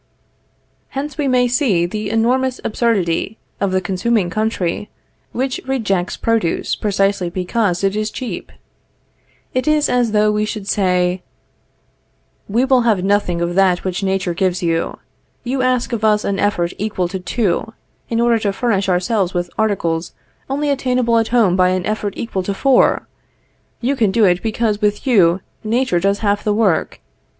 Hence we may see the enormous absurdity of the consuming country, which rejects produce precisely because it is cheap. It is as though we should say: "We will have nothing of that which Nature gives you. You ask of us an effort equal to two, in order to furnish ourselves with articles only attainable at home by an effort equal to four. You can do it because with you Nature does half the work.